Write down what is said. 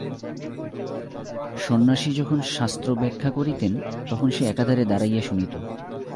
সন্ন্যাসী যখন শাস্ত্রব্যাখ্যা করিতেন তখন সে একধারে দাঁড়াইয়া শুনিত।